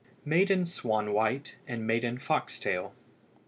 MAIDEN SWANWHITE AND MAIDEN FOXTAIL.